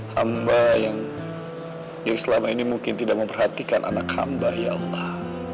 hamba yang selama ini mungkin tidak memperhatikan anak hamba ya allah